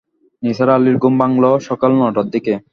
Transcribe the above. নিসার আলির ঘুম ভাঙল সকাল নটার দিকে।